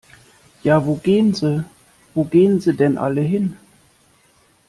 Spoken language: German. Ja wo gehn se, wo gehn se denn alle hin?